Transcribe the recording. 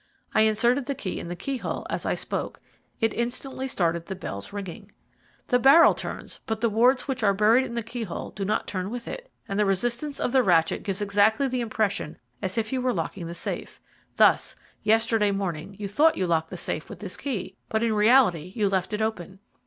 I inserted the key in the keyhole as I spoke. It instantly started the bells ringing. "The barrel turns, but the wards which are buried in the keyhole do not turn with it, and the resistance of the ratchet gives exactly the impression as if you were locking the safe. Thus, yesterday morning, you thought you locked the safe with this key, but in reality you left it open.